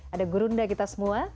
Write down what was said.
ada gurunda kita semua